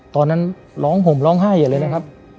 ตอนนั้นร้องห่มร้องไห้อย่าเลยนะครับ